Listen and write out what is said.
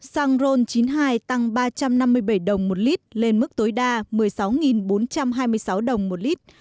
xăng ron chín mươi hai tăng ba trăm năm mươi bảy đồng một lít lên mức tối đa một mươi sáu bốn trăm hai mươi sáu đồng một lít